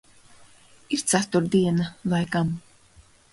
Ir ceturtdiena, laikam.